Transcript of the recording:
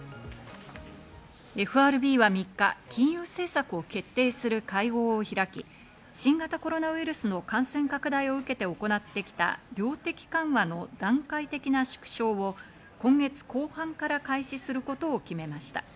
ＦＲＢは３日、金融政策を決定する会合を開き、新型コロナウイルスの感染拡大を受けて行ってきた量的緩和の段階的な縮小を今月後半から開始することを決めました。